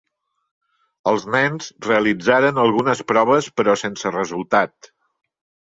Els Nens realitzaren algunes proves però sense resultat.